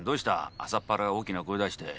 朝っぱらから大きな声出して。